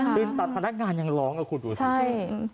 ื่นตัดพนักงานยังร้องกับคุณดูสิ